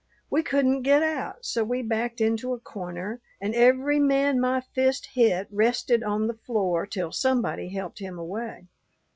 We couldn't get out, so we backed into a corner; and every man my fist hit rested on the floor till somebody helped him away.